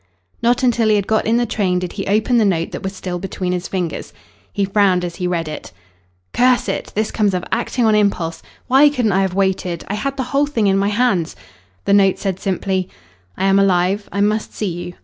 Not until he had got in the train did he open the note that was still between his fingers. He frowned as he read it. "Curse it! This comes of acting on impulse. Why couldn't I have waited! I had the whole thing in my hands." The note said simply "I am alive. I must see you.